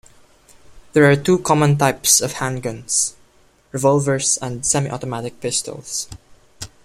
There are two common types of handguns: revolvers and semi-automatic pistols.